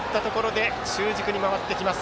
中軸に回ってきます